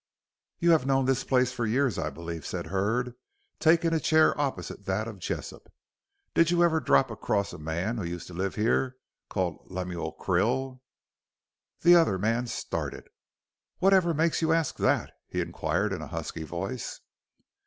"You have known this place for years I believe," said Hurd, taking a chair opposite to that of Jessop. "Did you ever drop across a man, who used to live here, called Lemuel Krill?" The other man started. "Whatever makes you arsk that?" he inquired in a husky voice.